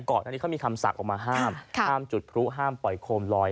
ก่อนอันนี้เขามีคำสั่งออกมาห้ามห้ามจุดพลุห้ามปล่อยโคมลอย